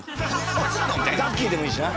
ガッキーでもいいしな。